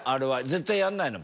絶対やらないの？